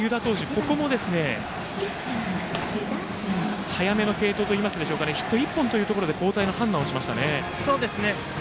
ここも早めの継投といいますかヒット１本というところで交代の判断をしました。